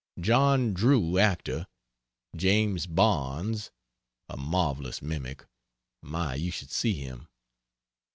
John Drew, actor; James Barnes, a marvelous mimic; my, you should see him!